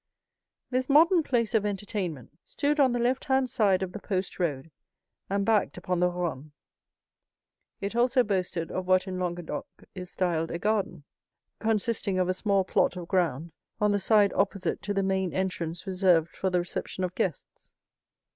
This modern place of entertainment stood on the left hand side of the post road, and backed upon the Rhône. It also boasted of what in Languedoc is styled a garden, consisting of a small plot of ground, on the side opposite to the main entrance reserved for the reception of guests.